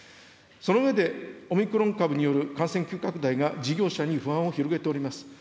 その上で、オミクロン株による感染急拡大が事業者に不安を広げております。